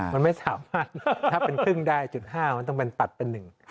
มันไม่สามารถถ้าเป็นครึ่งได้จุด๕มันต้องเป็นตัดเป็นหนึ่ง